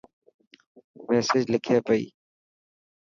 ميسج لکي پئي.